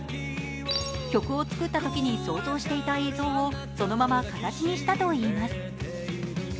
曲を作ったときに想像していた映像をそのまま形にしたといいます。